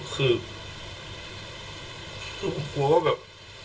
กลัวว่าแบบ